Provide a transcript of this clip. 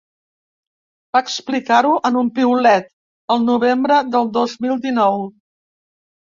Va explicar-ho en un piulet, el novembre del dos mil dinou.